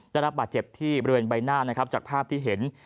ได้รับบาดเจ็บที่บริเวณใบหน้านะครับจากภาพที่เห็น